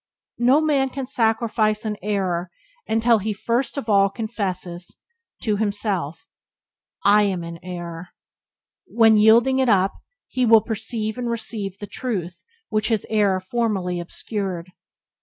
No man can sacrifice an error until he first of all confess (to himself) "I am in error;" when, yielding it up, he will perceive and receive the truth which his error formerly obscured.